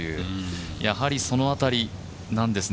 やはりその辺りなんですね。